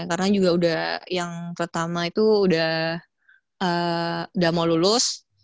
karena juga udah yang pertama itu udah mau lulus